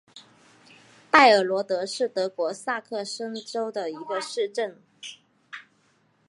拜尔罗德是德国萨克森州的一个市镇。